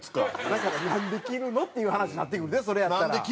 だからなんで着るの？っていう話になってくるでそれやったら。